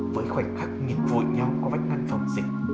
với khoảnh khắc nghiệp vội nhau qua vách ngăn phòng dịch